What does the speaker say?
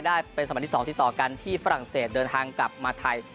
ได้เป็นสมัยที่๒ติดต่อกันที่ฝรั่งเศสเดินทางกลับมาไทย